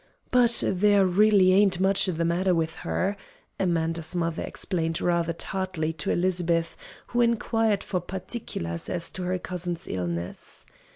"But there really ain't much the matter with her," Amanda's mother explained rather tartly to Elizabeth, who inquired for particulars as to her cousin's illness.